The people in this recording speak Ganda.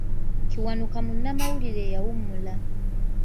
Kiwanuka munnamawulire eyawummula.